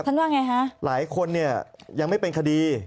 ว่าไงฮะหลายคนเนี่ยยังไม่เป็นคดี